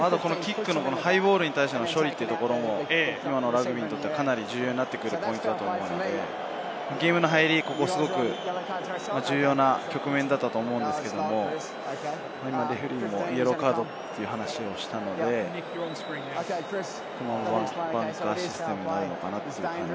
ハイボールに対しての処理、今のラグビーにとっては、かなり重要になってくるのでゲームの入り、ここ、すごく重要な局面だったと思うんですけれど、レフェリーもイエローカードという話をしたので、バンカーシステムになるのかな。